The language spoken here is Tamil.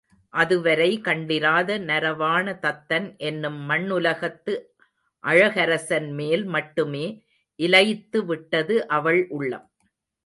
அதுவரை கண்டிராத நரவாண தத்தன் என்னும் மண்ணுலகத்து அழகரசன்மேல் மட்டுமே இலயித்து விட்டது அவள் உள்ளம்.